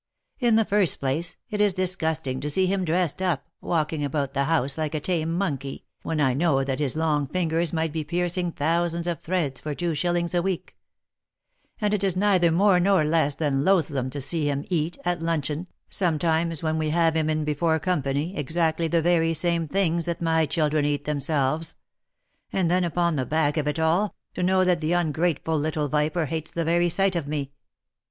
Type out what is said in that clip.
In the first place it is disgusting to see him dressed up, walking about the house like a tame monkey, when I know that his long fingers might be piercing thousands of threads for two shillings a week ; and it is neither more nor less than loathsome to see him eat, at luncheon, sometimes when we have had him in be fore company, exactly the very same things that my children eat themselves ; and then upon the back of it all, to know that the un grateful little viper hates the very sight of me.